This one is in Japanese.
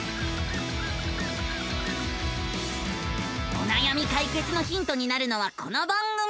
おなやみ解決のヒントになるのはこの番組。